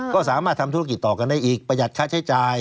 ก็สามารถทำธุรกิจต่อกันได้อีกประหยัดค่าใช้จ่าย